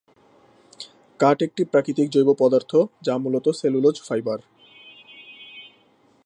কাঠ একটি প্রাকৃতিক জৈব পদার্থ যা মূলত সেলুলোজ ফাইবার।